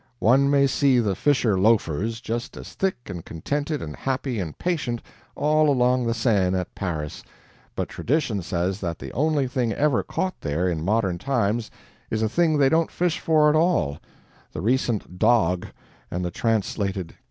One may see the fisher loafers just as thick and contented and happy and patient all along the Seine at Paris, but tradition says that the only thing ever caught there in modern times is a thing they don't fish for at all the recent dog and the translated cat.